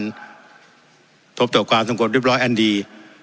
กระทบต่อความสงบเรียบร้อยอันดี